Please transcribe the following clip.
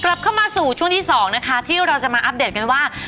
กลับเข้ามาสู่ช่วงที่สองนะคะที่เราจะมาอัปเดตกันว่า